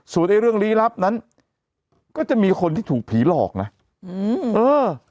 ไอ้เรื่องลี้ลับนั้นก็จะมีคนที่ถูกผีหลอกนะอืมเออ